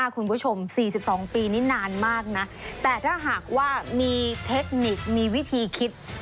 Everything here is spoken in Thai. คุณผู้ชม๔๒ปีนี่นานมากนะแต่ถ้าหากว่ามีเทคนิคมีวิธีคิด